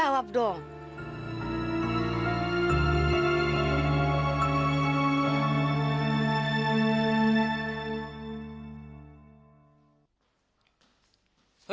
semuanya pokoknya ya